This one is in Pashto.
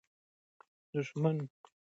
دښمن ماته تر سوبې زیاته خوړه.